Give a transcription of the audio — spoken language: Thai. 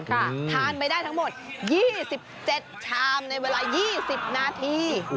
ทานไปได้ทั้งหมด๒๗ชามในเวลา๒๐นาที